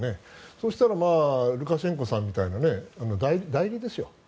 そしたらルカシェンコさんみたいな代理ですよ。